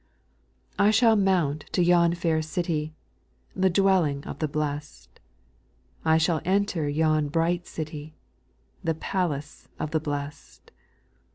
7. I shall mount to yon fair city, The dwelling of the blest ; I shall enter yon bright city, The palace of the blest.